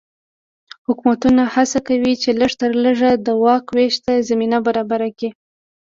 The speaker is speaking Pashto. حکومتونه هڅه کوي چې لږ تر لږه د واک وېش ته زمینه برابره کړي.